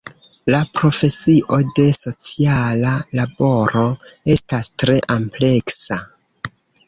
La profesio de sociala laboro estas tre ampleksa.